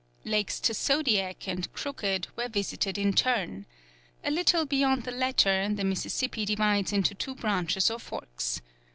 Lakes Tasodiac and Crooked were visited in turn. A little beyond the latter, the Mississippi divides into two branches or forks.